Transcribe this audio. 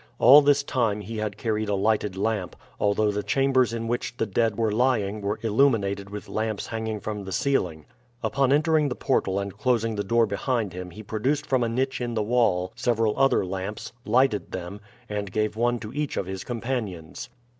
All this time he had carried a lighted lamp, although the chambers in which the dead were lying were illuminated with lamps hanging from the ceiling. Upon entering the portal and closing the door behind him he produced from a niche in the wall several other lamps, lighted them, and gave one to each of his companions.